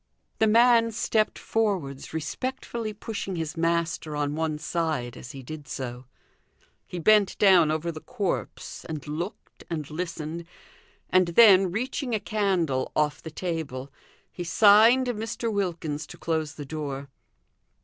The man stepped forwards, respectfully pushing his master on one side as he did so. He bent down over the corpse, and looked, and listened and then reaching a candle off the table, he signed Mr. Wilkins to close the door.